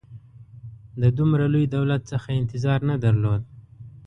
د دومره لوی دولت څخه یې انتظار نه درلود.